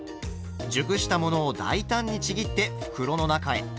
熟したものを大胆にちぎって袋の中へ。